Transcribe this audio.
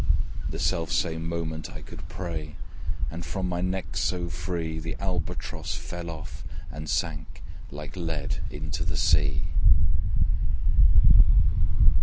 The spell begins to break. The self same moment I could pray; And from my neck so free The Albatross fell off, and sank Like lead into the sea.